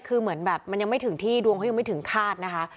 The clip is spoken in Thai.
คือเหมือนแบบมันยังไม่ถึงที่ดวงเขายังไม่ถึงคาดนะคะ